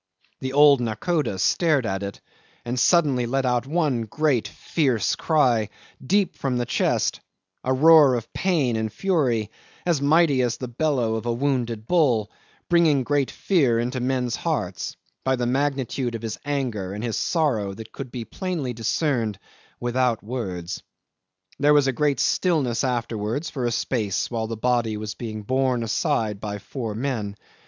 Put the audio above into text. The old nakhoda stared at it, and suddenly let out one great fierce cry, deep from the chest, a roar of pain and fury, as mighty as the bellow of a wounded bull, bringing great fear into men's hearts, by the magnitude of his anger and his sorrow that could be plainly discerned without words. There was a great stillness afterwards for a space, while the body was being borne aside by four men.